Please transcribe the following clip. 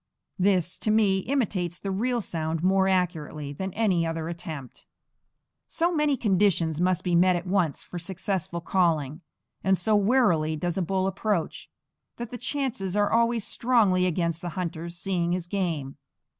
This, to me, imitates the real sound more accurately than any other attempt. So many conditions must be met at once for successful calling, and so warily does a bull approach, that the chances are always strongly against the hunter's seeing his game.